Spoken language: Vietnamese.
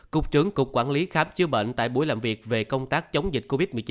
cục trưởng cục quản lý khám chữa bệnh tại buổi làm việc về công tác chống dịch covid một mươi chín